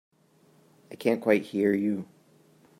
I can't quite hear you.